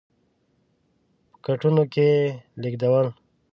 په کټونو کې یې لېږدول.